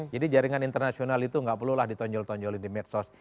jadi jaringan internasional itu enggak perlulah ditonjol tonjolin di medsos